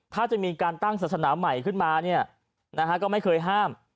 ถ้าจะมีการตั้งศาสนาใหม่ขึ้นมาเนี่ยนะฮะก็ไม่เคยห้าม